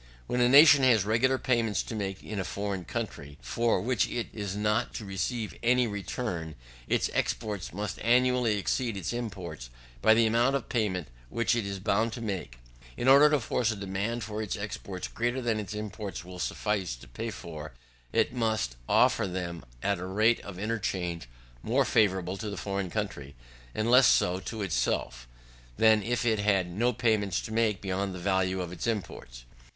When a nation has regular payments to make in a foreign country, for which it is not to receive any return, its exports must annually exceed its imports by the amount of the payments which it is bound so to make. In order to force a demand for its exports greater than its imports will suffice to pay for, it must offer them at a rate of interchange more favourable to the foreign country, and less so to itself, than if it had no payments to make beyond the value of its imports.